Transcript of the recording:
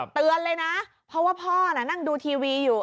เตือนเลยนะเพราะว่าพ่อน่ะนั่งดูทีวีอยู่